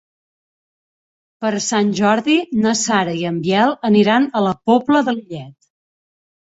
Per Sant Jordi na Sara i en Biel aniran a la Pobla de Lillet.